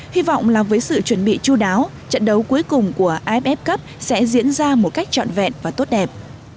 hy vọng là với sự chuẩn bị chú đáo trận đấu cuối cùng của iff cup sẽ diễn ra một cách trọn vẹn và tốt đẹp